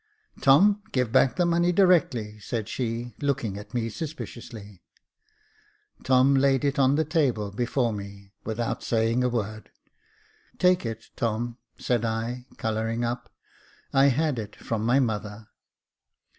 "Tom, give back the money directly," said she, looking at me suspiciously. Tom laid it on the table before me, without saying a word. "Take it, Tom," said I, colouring up. "I had it from my mother."